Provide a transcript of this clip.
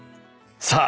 さあ